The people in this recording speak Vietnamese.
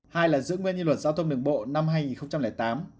hai là giữ nguyên như luật giao thông đường bộ năm hai nghìn tám